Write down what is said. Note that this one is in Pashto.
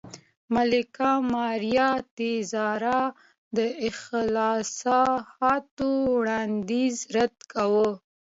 ملکه ماریا تېرازا د اصلاحاتو وړاندیز رد کاوه.